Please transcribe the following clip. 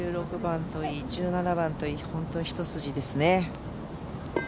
１６番といい１７番といい本当、一筋ですね。